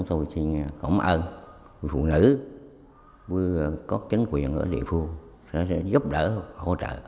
với các chính quyền ở địa phương sẽ giúp đỡ hỗ trợ